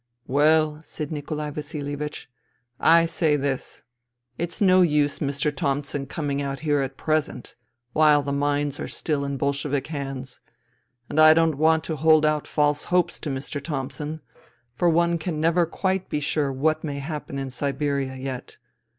" Well," said Nikolai Vasilievich, *' I say this : it's no use Mr. Thomson coming out here at 'present, while the mines are still in Bolshevik hands. And I don't want to hold out false hopes to Mr. Thom son, for one can never quite be sure what may hap pen in Siberia yet.